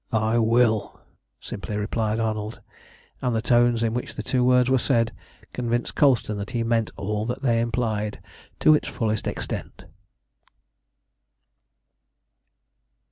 "I will!" simply replied Arnold, and the tone in which the two words were said convinced Colston that he meant all that they implied to its fullest extent.